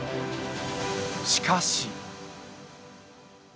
しかし。